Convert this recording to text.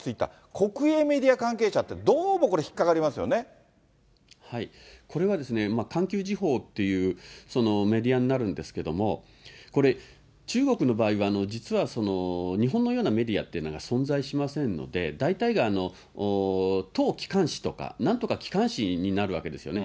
国営メディア関係者って、どうもこれ、これは、環球時報っていう、メディアになるんですけれども、これ、中国の場合は、実は、日本のようなメディアっていうのが存在しませんので、大体が党機関紙とか、なんとか機関紙になるわけですよね。